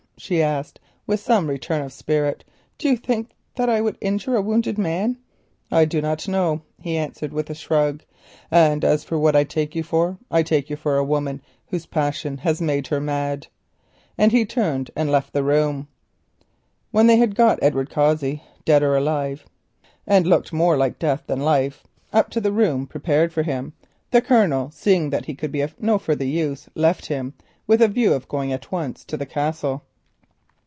she asked, with some return of spirit; "do you think that I would injure a wounded man?" "I do not know," he answered, with a shrug, "and as for what I take you for, I take you for a woman whose passion has made her mad," and he turned and left the room. When they had carried Edward Cossey, dead or alive—and he looked more like death than life—up to the room prepared for him, seeing that he could be of no further use the Colonel left the house with a view of going to the Castle.